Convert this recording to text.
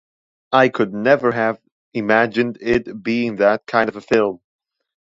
I could never have imagined it being that kind of a film.